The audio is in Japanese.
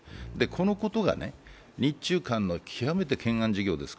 このことが日中間の極めて懸案事業です。